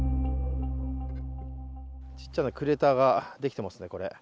ちっちゃなクレーターができてますね、これ。